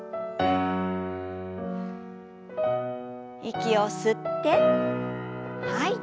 息を吸って吐いて。